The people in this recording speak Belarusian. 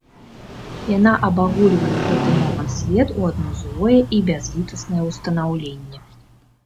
Яна абагульвае ў гэты момант свет у адно злое і бязлітаснае ўстанаўленне.